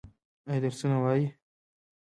ایا درسونه وايي؟